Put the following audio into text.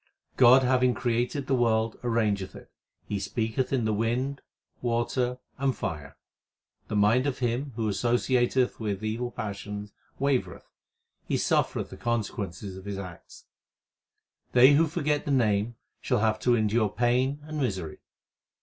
God having created the world arrangeth it ; He speaketh in the wind, water, and fire. The mind of him who associateth with evil passions wavereth ; he suffereth the consequences of his acts. They who forget the Name shall have to endure pain and misery.